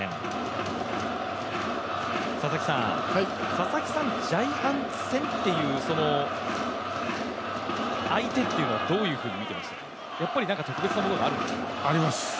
佐々木さん、ジャイアンツ戦という相手というのはどういうふうに見ていましたか、あります。